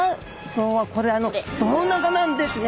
今日はこれあの胴長なんですね。